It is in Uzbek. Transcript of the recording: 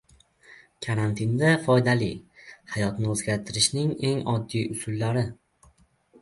Karantinda foydali: Hayotni o‘zgartirishning eng oddiy usullari